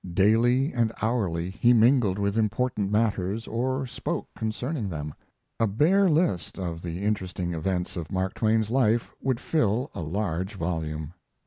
Daily and hourly he mingled with important matters or spoke concerning them. A bare list of the interesting events of Mark Twain's life would fill a large volume.